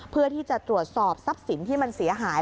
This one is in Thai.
เพื่อที่จะตรวจสอบทรัพย์สินที่มันเสียหาย